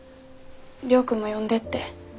亮君も呼んでって。